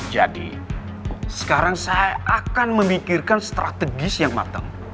jadi sekarang saya akan memikirkan strategis yang matang